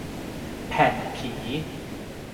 แผ่นผี